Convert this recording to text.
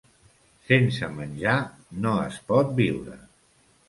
Sense menjar no es pot viure.